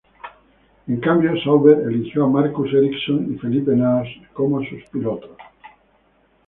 En cambio, Sauber eligió a Marcus Ericsson y Felipe Nasr como sus pilotos.